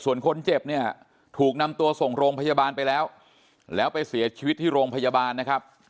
ส่วนคนเจ็บเนี่ยถูกนำตัวส่งโรงพยาบาลไปแล้วแล้วไปเสียชีวิตที่โรงพยาบาลนะครับ